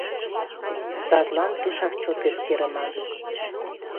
Садлан пешак чот эскерыман.